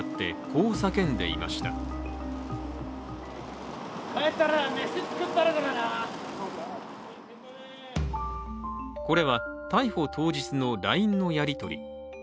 これは逮捕当日のＬＩＮＥのやり取り。